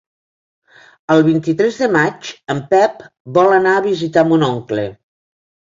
El vint-i-tres de maig en Pep vol anar a visitar mon oncle.